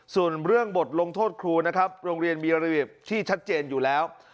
ส่วนเรื่องบทลงโทษครูโรงเรียนมีระดิษฐ์ที่ชัดเจนอยู่แล้ว